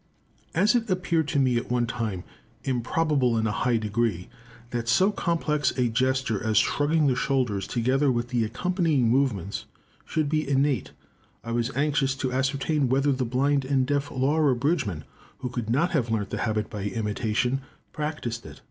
As it appeared to me at one time improbable in a high degree that so complex a gesture as shrugging the shoulders, together with the accompanying movements, should be innate, I was anxious to ascertain whether the blind and deaf Laura Bridgman, who could not have learnt the habit by imitation, practised it.